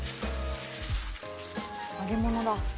「揚げ物だ」